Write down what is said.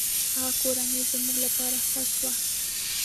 هغه کورنۍ زموږ له پاره ښه شوه.